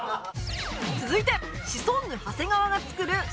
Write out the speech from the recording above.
続いてシソンヌ長谷川が作る下積みメシは